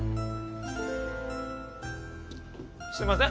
すいません！